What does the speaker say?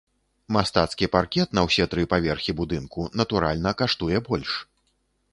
Мастацкі паркет на ўсе тры паверхі будынку, натуральна, каштуе больш.